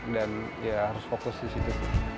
dan ya harus fokus di situ